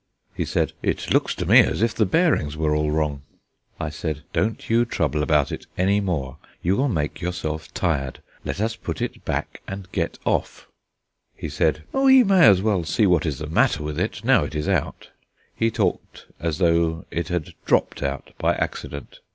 He said: "It looks to me as if the bearings were all wrong." I said: "Don't you trouble about it any more; you will make yourself tired. Let us put it back and get off." He said: "We may as well see what is the matter with it, now it is out." He talked as though it had dropped out by accident.